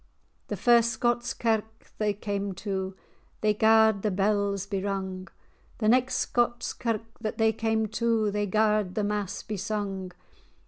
The first Scots kirk that they cam to, They garred the bells be rung; The next Scots kirk that they cam to, They garred fhe mass be sung.